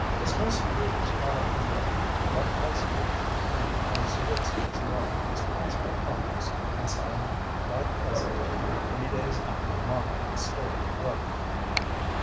As most readers are aware, what has come to be known as "Zeritsky's Law" was passed by Congress and signed by the President three days after Monahan's story broke.